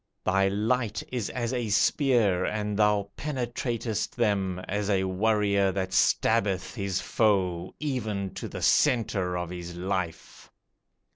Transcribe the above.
Thy light is as a spear, And thou penetratest them As a warrior that stabbeth his foe Even to the center of his life.